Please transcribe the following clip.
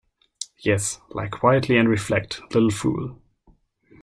Yes, lie quietly and reflect, little fool!